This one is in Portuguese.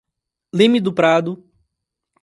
Leme do Prado